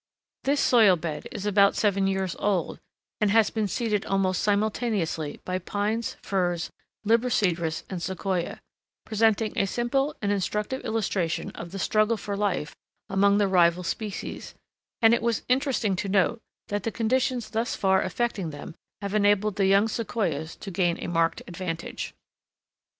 This soil bed is about seven years old, and has been seeded almost simultaneously by pines, firs, Libocedrus, and Sequoia, presenting a simple and instructive illustration of the struggle for life among the rival species; and it was interesting to note that the conditions thus far affecting them have enabled the young Sequoias to gain a marked advantage.